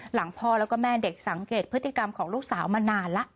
หลังพ่อแล้วก็แม่เด็กสังเกตพฤติกรรมของลูกสาวมานานแล้ว